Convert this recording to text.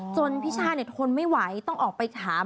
พี่ช่าทนไม่ไหวต้องออกไปถาม